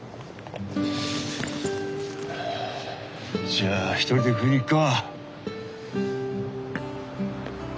じゃあ一人で食いに行くか。